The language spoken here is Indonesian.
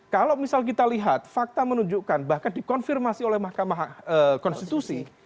kalau misal kita lihat fakta menunjukkan bahkan dikonfirmasi oleh mahkamah konstitusi